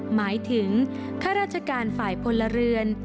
หมายถึงข้าราชการฝ่ายพลเรือน